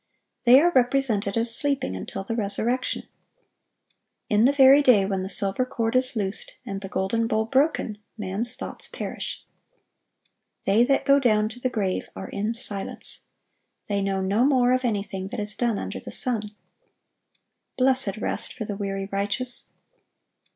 They are represented as sleeping until the resurrection.(979) In the very day when the silver cord is loosed and the golden bowl broken,(980) man's thoughts perish. They that go down to the grave are in silence. They know no more of anything that is done under the sun.(981) Blessed rest for the weary righteous!